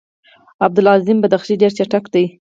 عبدالعظیم بدخشي ډېر چټک دی.